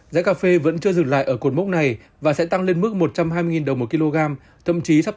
giá cà phê vẫn chưa dừng lại ở cột mốc này và sẽ tăng lên mức một trăm hai mươi đồng một kg thậm chí sắp